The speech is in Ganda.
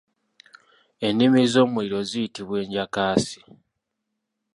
Ennimi z’omuliro ziyitibwa Enjakaasi.